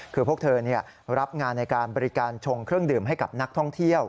คือพวกเธอรับงานในการบริการชงเครื่องดื่มให้กับนักท่องเที่ยว